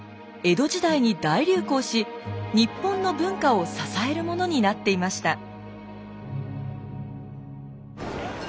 江戸時代に大流行し日本の文化を支えるものになっていました。